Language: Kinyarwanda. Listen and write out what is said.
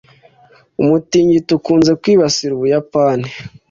umutingito ukunze kwibasira ubuyapani